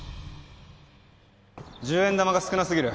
１０円玉が少なすぎる。